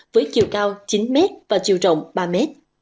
với chiều cao chín m và chiều rộng ba m